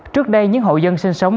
trước đây những hộ dân sinh sống